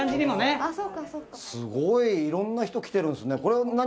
すごいいろんな人来てるんですね。